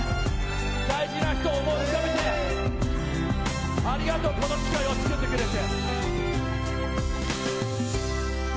大事な人を思い浮かべて、ありがとう、この機会を作ってくれて。